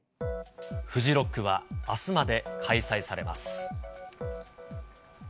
フジロックはあすまで開催されます。